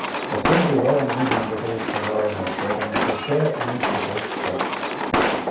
Ко всем привалам нужно готовиться заранее, поэтому сообщаю о них за полчаса.